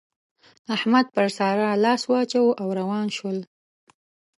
احمد پر سارا لاس واچاوو او روان شول.